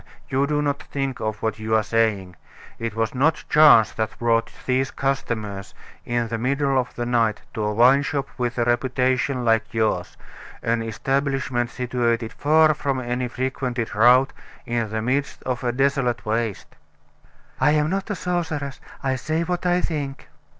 you do not think of what you are saying. It was not chance that brought these customers, in the middle of the night, to a wine shop with a reputation like yours an establishment situated far from any frequented route in the midst of a desolate waste." "I'm not a sorceress; I say what I think."